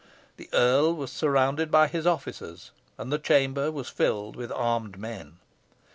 The earl was surrounded by his officers, and the chamber was filled with armed men.